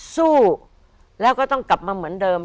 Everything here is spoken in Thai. สู้แล้วก็ต้องกลับมาเหมือนเดิม